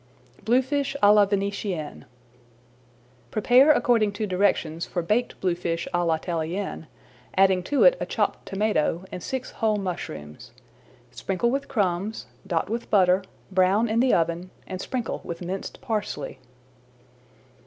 BLUEFISH À LA VENETIENNE Prepare according to directions for Baked Bluefish à la Italienne, adding to it a chopped tomato and six whole mushrooms. Sprinkle with crumbs, dot with butter, brown in the oven, and sprinkle with minced parsley.